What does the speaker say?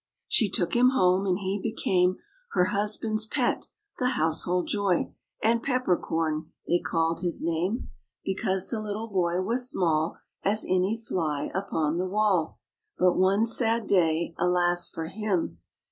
She took him home ; and he became Her husband's pet, the household joy ; And Pepper Corn they called his name, LITTLE PEPPER CORN. 99 Because the little boy was small As any fly upon the wall. But one sad day, alas for him